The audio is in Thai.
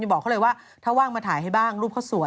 บอกเขาเลยว่าถ้าว่างมาถ่ายให้บ้างรูปเขาสวย